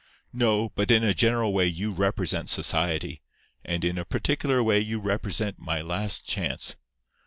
"No; but in a general way you represent Society; and in a particular way you represent my last chance.